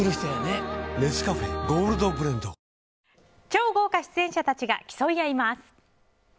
超豪華出演者たちが競い合います。